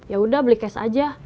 yaudah beli cash aja